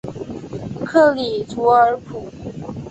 克利图尔普。